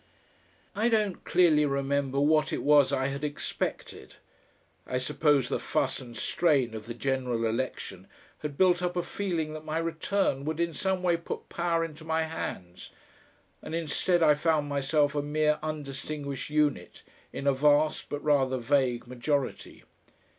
I don't clearly remember what it was I had expected; I suppose the fuss and strain of the General Election had built up a feeling that my return would in some way put power into my hands, and instead I found myself a mere undistinguished unit in a vast but rather vague majority.